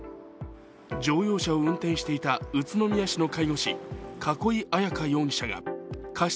乗用車を運転していた宇都宮市の介護士、栫彩可容疑者が過失